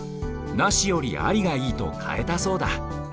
なしよりありがいいとかえたそうだ。